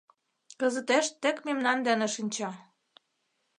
— Кызытеш тек мемнан дене шинча.